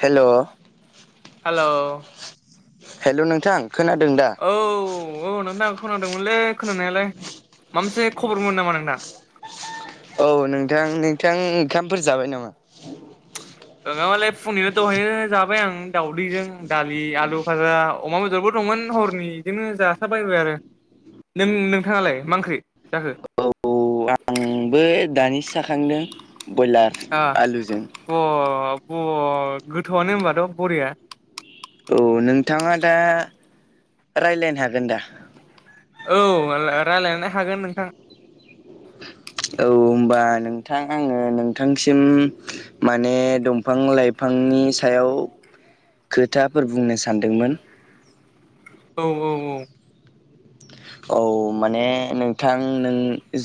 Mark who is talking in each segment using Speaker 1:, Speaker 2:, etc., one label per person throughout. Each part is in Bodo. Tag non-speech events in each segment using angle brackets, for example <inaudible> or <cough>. Speaker 1: हेल'
Speaker 2: हेलौ
Speaker 1: हेल' नोंथां खोनादों दा
Speaker 2: औ औ नोंथांं खोनादोंमोनलै खोनानायालाय माबा मोनसे खबरमोन नामा नोंथां
Speaker 1: औ नोंथां नोंथां ओंखामफोर जाबाय नामा
Speaker 2: नङाबालाय फुंनिनो दहाय जाबाय आं दाावदैजों दालि आलु फाजा अमा बेदरबो दंमोन हरनि बिदिनो जास बायबाय आरो नों नोंथाङालाय मा ओंख्रि जाखो
Speaker 1: औ आंबो दानिसो जाखांदों बयलार आलुजों
Speaker 2: गोथौआनो होनबाथ' बरिया
Speaker 1: औ नोंथाङा दा रायलायनो हागोन दा
Speaker 2: औ रायज्लायनो हागोन नोंथां
Speaker 1: औ होनबा नोंथां आङो नोंथांसिम माने दंफां लाइफांनि सायाव खोथाफोर बुंनो सानदोंमोन
Speaker 2: औ औ औ
Speaker 1: औ माने नोंथां नों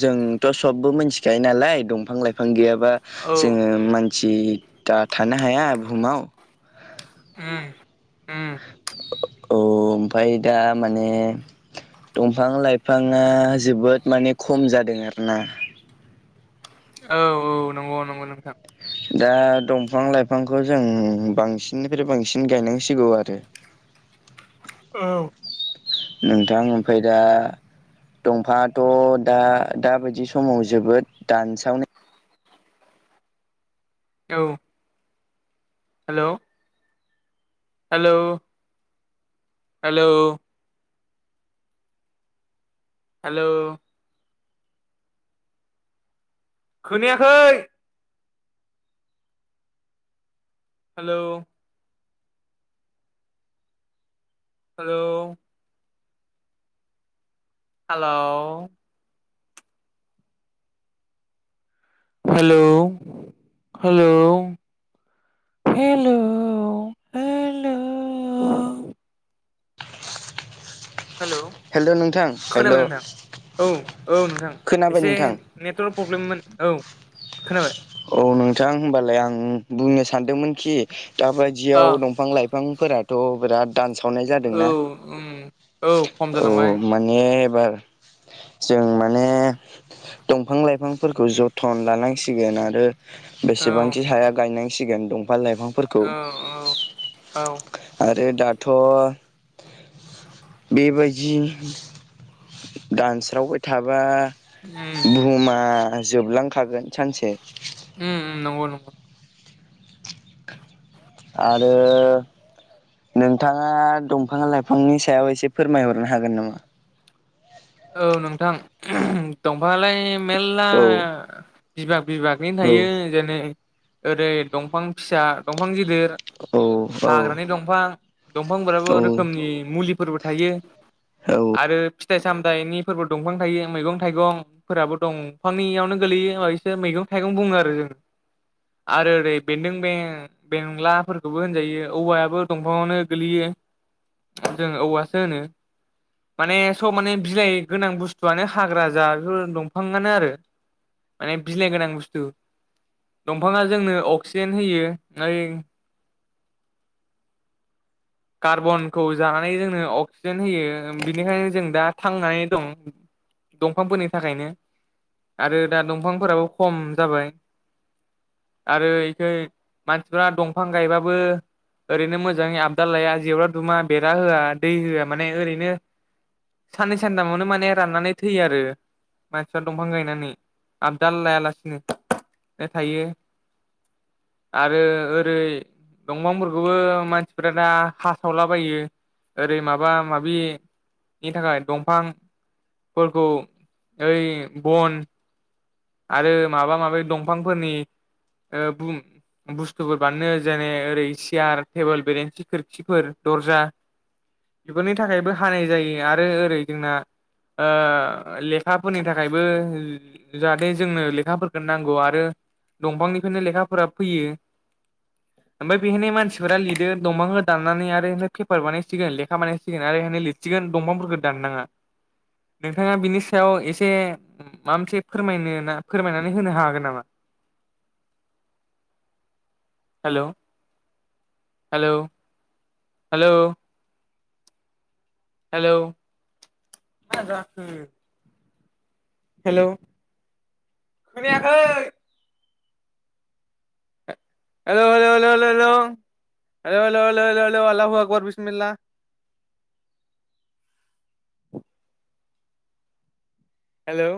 Speaker 1: जोंथ' सबबो मिथिखायो नालाय दंफां लाइफां बिफां गैयाबा
Speaker 2: औ
Speaker 1: जोङो मानसि दा थानो हाया बुहुमाव
Speaker 2: हम हम
Speaker 1: औ ओमफ्राय दा माने दंफां लाइफाङा जोबोद माने खम जादों आरोना
Speaker 2: औ औ नंगौ नंगौ नोंथां
Speaker 1: दा दंफां लाइफांखौ जों बांसिननिफ्राय बांसिन गायनांसिगौ आरो।
Speaker 2: औ।
Speaker 1: नोंथां ओमफ्राय दा दंफाङाथ' दा दााबायदि समाव जोबोद दान्सावनो
Speaker 2: औ। हेल' हेलौ हेलौ हेल' खोनायाखै हेल' hello hello hello hello hello hello
Speaker 1: हेल' नोंथां हेल'
Speaker 2: खोनाबाय नोंथां औ औ नोंथां
Speaker 1: खोनाबाय
Speaker 2: एसे
Speaker 1: नोंथां
Speaker 2: नेटवारक प्रब्लेममोन औ खोनाबाय।
Speaker 1: औ नोंथां हबालाय आं बुंनो सानदोंमोनखि
Speaker 2: अ
Speaker 1: दाबायदियाव दंफां लाइफां बिफांफोराथ' बिराद दानसावनाय
Speaker 2: औ
Speaker 1: जादोंना
Speaker 2: उम औ खम
Speaker 1: औ
Speaker 2: जालांबाय
Speaker 1: मा एबार जों माने दंफां लाइफांफोरखौ जथोन लानांसिगोन आरो। रो
Speaker 2: औ
Speaker 1: बेसेबांखि हाया गायनांसिगोन दंफां लाइफांफोरखौ
Speaker 2: औ औ
Speaker 1: आरो दाथ' बेबायदि दानस्रावबाय थाबा
Speaker 2: उ
Speaker 1: बुहुमा जोबलांखागोन सानसे
Speaker 2: ओम नंगौ नंगौ
Speaker 1: आरो नोंथाङा दंफां लाइफांनि सायाव एसे फोरमायहरनो हागोन नामा।
Speaker 2: औ नोंथां दंफायालाय मेरला
Speaker 1: औ
Speaker 2: बिभाग बिभागनि
Speaker 1: औ
Speaker 2: थायो जेनै ओरै दंफां फिसा दंफां गिदिर
Speaker 1: औ औ
Speaker 2: हाग्रानि दंफां दंफांफोराबो
Speaker 1: औ
Speaker 2: रोखोमनि मुलिफोरबो थायो
Speaker 1: नोंथां
Speaker 2: आरो फिथाइ सामथायाइनि फोरबो दंफां थायो मैगं थाइगं फोराबो दं फांनियावनो गोलैयो होब्लाबो एखो मैगं थाइगं बुङो आरो जों आरो ओरै बेन्दों बे बेंलाफोरखौबो होनजायो औवायाबो दंफांवनो गोगलैयो जों औवासो होनो माने थ' माने बिलाइ गोनां बुस्थुआनो हाग्रा जा एफोर दंफाङानो आरो माने बिलाइ गोनां बुस्थु दंफाङा जोंनो अक्सिजेन होयो ओइ कार्बनखौ जानानै जोंनो अक्सिजेन होयो बिनिखायनो जों दा थांनानै दं दंफांफोरनि थाखायनो आरो दा दंफांफोराबो खम जाबाय आरो इख मानसिफ्रा दंफां गायबाबो ओरैनो मोजाङै आब दाललाया जेवर दुमा बेरा होआ दै होआ माने ओरैनो साननै सानथामावनो माने राननानै थैयो आरो मानसिफ्रा दंफां गायनानै आबदाल लायालासिनो थायो आरो ओरै दंफांफोरखौबो मानसि ओमफ्राय दा हासावलाबायो ओरै माबा माबि नि थाखाय दंफां फोरखौ ओइ बन आरो माबा माबि दंफांफोरनि बुस्थुफोर बानायनो जेरै ओरै सियार टेबोल बेरेन्सि खोरखिफोर दर्जा बेफोरनि थाखायबो हानाय जायो आरो ओरै जोंना ओ लेखाफोरनि थाखायबो जाहाथे जोंनो लेखाफोरखौ नांगौ आरो दंफांनिफ्रायनो लेखाफोरा फैयो।
Speaker 1: <unintelligible>
Speaker 2: ओमफ्राय बेहायनो मानसिफोरा लिरो दंफांखो दाननानै आरो पेपार बानायसिगोन लेखा बानायसिगोन आरो एहियनो लिद गोन दंफांफोरखौ दान नाङा नोंथाङा बिनि सायाव एसे माबा मोनसे फोरमायनो फोरमायनानै होनो हागोन नामा? Hello hello hello hello hello खोनायाखै hello hello hello hello hello आल ह अक्बर बिसमिला hello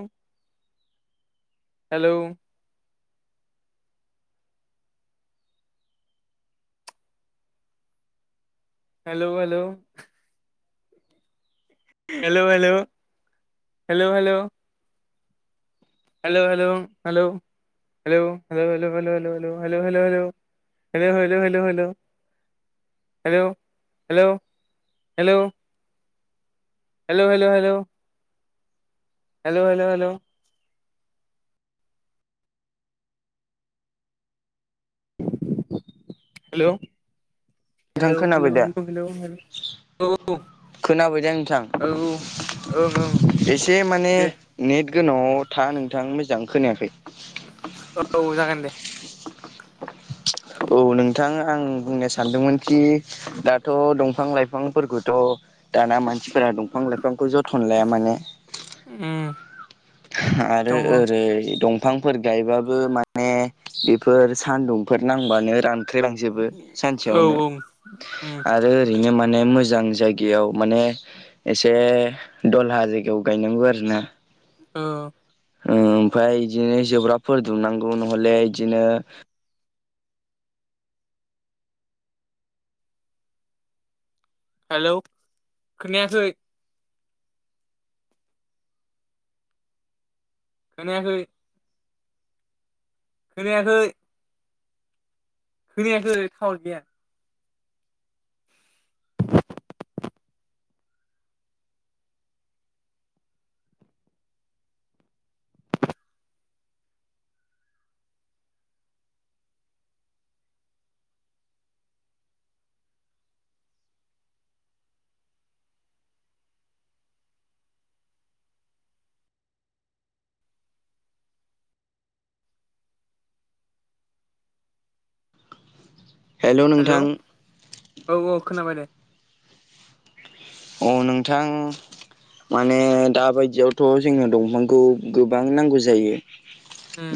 Speaker 2: hello hello hello hello hello hello hello hello hello hello hello hello hello hello hello hello hello hello hello hello hello hello hello हेफंल' hello hello hello hello hello hello hello hello hello hello hello
Speaker 1: खोनाबाय दा
Speaker 2: हेलौ हेल औ
Speaker 1: खोनाबायदा नोंथां
Speaker 2: औ ओं ओं
Speaker 1: एसे माने
Speaker 2: दे
Speaker 1: नेट गोनाङाव था नोंथां मोजां खोनाया यखै
Speaker 2: औ जागोन दे
Speaker 1: औ नोंथां आं बुंनो सानदोंमोनखि दाथ' दंफां लाइफांफोरखौथ' दाना मानसिफोरा दंफां लाइफां खौ जोथोन लाया माने
Speaker 2: उम
Speaker 1: आरो
Speaker 2: नंगौ
Speaker 1: ओरै दं फांफोर गायबाबो माने बेफोर सानदुंफोर नांबानो रान ख्रिलांजोबो
Speaker 2: औ
Speaker 1: सानसेयावनो
Speaker 2: औ उम
Speaker 1: आरो ओरैनो माने मोजां जायगायाव माने एसे दलहा जायगायाव गायनांगौ आरोना
Speaker 2: औ
Speaker 1: ओमफाय इदिनो जोब्राबफोर दुमनांगौ नहले इदिनो
Speaker 2: हेलौ खोनायाखै खोनायाखै खोनायाखै खोनायाखै थाव गैया होनना
Speaker 1: हेल'
Speaker 2: हेलौ
Speaker 1: नोंथां
Speaker 2: औ औ खोनाबाय दे
Speaker 1: अ नोंथां माने दााबायदियावथ' जोंनो दंफांखौ गोबां नांगौ जायो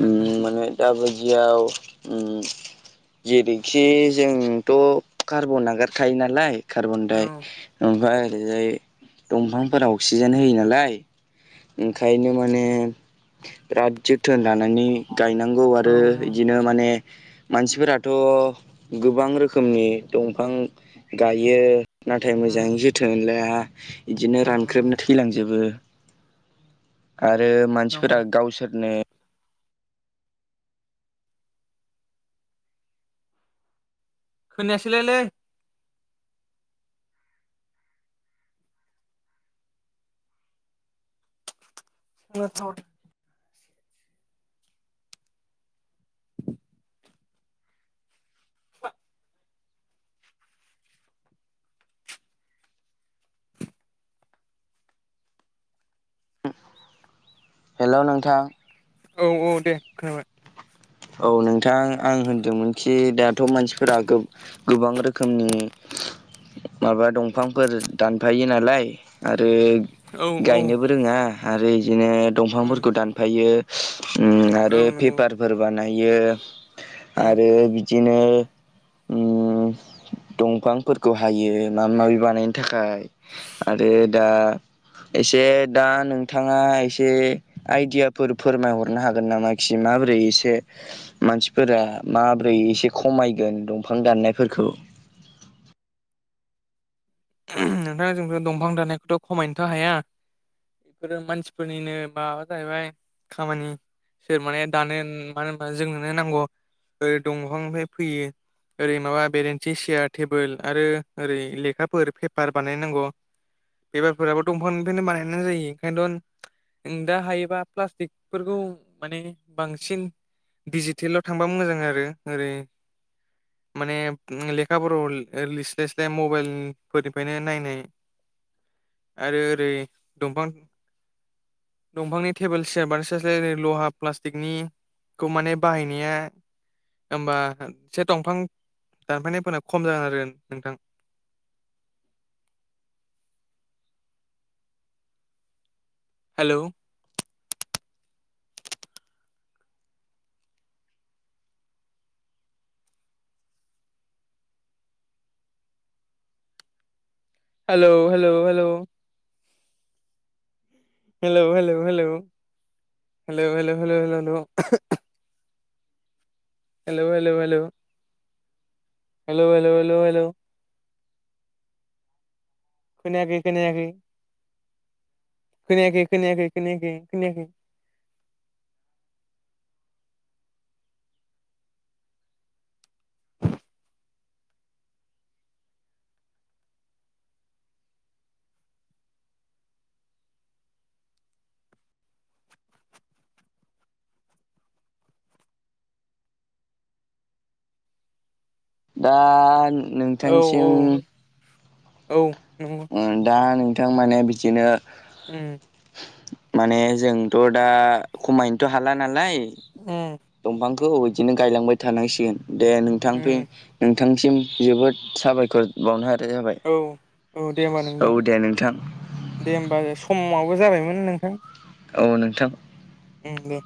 Speaker 1: उम माने दा बायदियाव उम जेरैखि जोंथ' कार्बन नागारखायो नालाय
Speaker 2: औ
Speaker 1: कार्बनदाय ओमफाय ओरैजाय दंफांफोरा अक्सिजेन होयो नालाय ओंखायनो माने बिराद जो थोन लानानै गायनांगौ
Speaker 2: औ
Speaker 1: आरो
Speaker 2: उम
Speaker 1: इदिनो माने मानसिफोराथ' गोबां रोखोमनि दंफां गायो नाथाय मोजाङै
Speaker 2: उम
Speaker 1: जोथोन लाया इदिनो
Speaker 2: उम
Speaker 1: रानख्रेबना थैलांजोबो। आरो
Speaker 2: नंगौ
Speaker 1: मानसिफोरा गावसोरनो
Speaker 2: खोनायासैलायलै। <unintelligible>
Speaker 1: <inaudible> हेल' नोंथां।
Speaker 2: औ औ दे खोनाबाय।
Speaker 1: औ नोंथां आं होनदोंमोन खि दाथ' मानसिफोरा गो गोबां रोखोमनि माबा दंफांफोर दानफायो नालाय आरो
Speaker 2: औ औ
Speaker 1: गायनोबो रोङा आरो इदिनो
Speaker 2: उम
Speaker 1: दंफांफोरखौ दानफायो उम आरो
Speaker 2: औ नंगौ
Speaker 1: पेपारफोर बानायो
Speaker 2: उम
Speaker 1: आरो बि दिनो उम दंफांफोरखौ हायो माबा माबि बानायनो थाखाय आरो दा एसे दा नोंथाङा एसे आइडियाफोर फोरमायहरनो हागोन नामा खि माबोरै स से मानसिफोरा माब्रै एसे खमायगोन दंफां दाननायफोरखौ
Speaker 2: नोंथाङा जोंथ' दंफां दानायखौथ' खमायनोथ' हाया। बेफोरो मानसिफोरनिनो माबा जाहैबाय खामानि। सोर माने दानो मानो होनबा जोंनोनो नांगौ ओ दंफांनिफ्राय फैयो। ओरै माबा बेरेन्थि सेयार टेबोल आरो ओरै लेखाफोर पेपार बानायनांगौ। बेबारफोराबो दंफांनिफ्रायनो बानायनाय जायो ओंखायनथन दा हायोबा प्लास्टिकफोरखौ माने बांसिन डिजिटेलाव थांबा मोजां आरो ओरै माने लेखा बोराव लिस्लाय स्लाय मबाइल फोरनिफ्रायनो नायनाय आरो ओरै दंफां दंफांनि टेबोल चेयार बानोसोसायै लहा प्लास्टिकनि खौ माने बाहायनाया होमबा एसे दंफां दानफायनायफोरा खम जागोन आरो नोंथां। Hello hello hello hello hello hello hello <inaudible> hello hello hello hello <inaudible> hello hello hello hello hello hello hello खोनायाखै खोनायाखै <inaudible> खोनायाखै खोनायाखै खोनायाखै खोनायाखै
Speaker 1: दा
Speaker 2: औ
Speaker 1: नोंथांसिम
Speaker 2: औ औ नंगौ
Speaker 1: ओ दा नोंथां माने बिदिनो
Speaker 2: उम
Speaker 1: माने जोंथ' दा खमायनोथ' हाला नालाय।
Speaker 2: उम
Speaker 1: दंफांखौ बिदिनो गायलांबाय थानांसिगोन दे नोंथां फै
Speaker 2: उम
Speaker 1: नोंथांसिम जोबोद साबायखर बावनो हानाय जाबाय।
Speaker 2: औ औ दे होमबा
Speaker 1: औ
Speaker 2: नोंथां
Speaker 1: दे नोंथां
Speaker 2: दे होमबा समाबो जाबायमोन नोंथां।
Speaker 1: औ नोंथां।
Speaker 2: उम दे